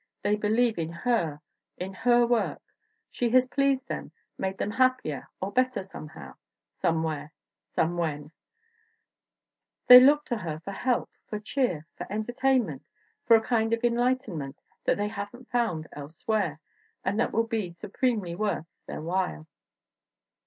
They believe in her, in her work ; she has pleased them, made them happier or better somehow, somewhere, somewhen; they look to her for help, for cheer, for entertain ment, for a kind of enlightenment that they haven't found elsewhere and that will be supremely worth their while.